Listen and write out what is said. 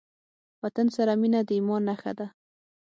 وطن سره مينه د ايمان نښه ده.